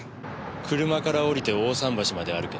車から降りて大さん橋まで歩け。